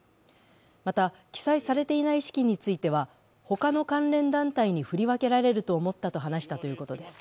また記載されていない資金については、他の関連団体に振り分けられると思ったと話しているということです。